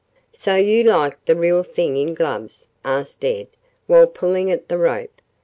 "So you like the real thing in gloves?" asked Ed while pulling at the rope.